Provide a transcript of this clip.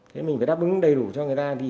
thế mình phải đáp ứng đầy đủ cho người ta